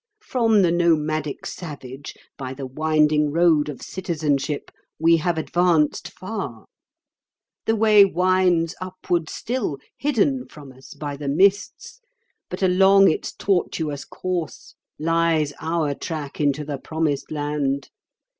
From the nomadic savage by the winding road of citizenship we have advanced far. The way winds upward still, hidden from us by the mists, but along its tortuous course lies our track into the Promised Land.